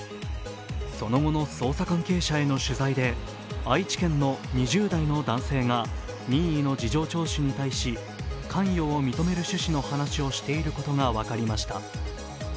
その後の捜査関係者への取材で愛知県の２０代の男性が任意の事情聴取に対し、関与を認める趣旨の話をしていることが分かりました。